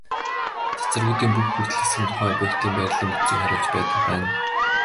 Цацрагуудын бүх бүрдэл хэсэг нь тухайн объектын байрлалын бүтцийг харуулж байдаг байна.